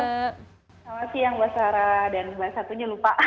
selamat siang mbak sarah dan mbak satunya lupa